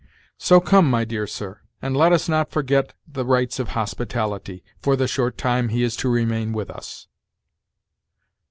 So come, my dear sir, and let us not forget the rites of hospitality, for the short time he is to remain with us."